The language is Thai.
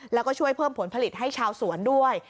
แล้วก็ช่วยเพิ่มผลผลิตให้ชาวสวนด้วย